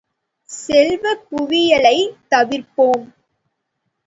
செல்வக் குவியலைத் தவிர்ப்போம்!